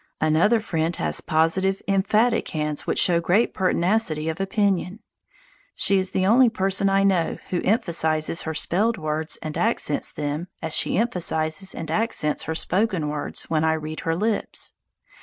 Another friend has positive, emphatic hands which show great pertinacity of opinion. She is the only person I know who emphasizes her spelled words and accents them as she emphasizes and accents her spoken words when I read her lips.